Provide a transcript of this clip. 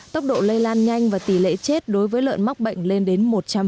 tốc độ lây lan nhanh và tỷ lệ chết đối với lợn mắc bệnh lên đến một trăm linh